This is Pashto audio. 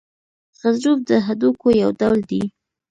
غضروف د هډوکو یو ډول دی.